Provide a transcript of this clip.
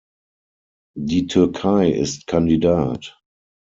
Die Türkei ist Kandidat.